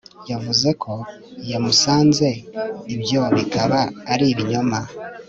Yavuze ko yamusanze ibyo bikaba ari ibinyoma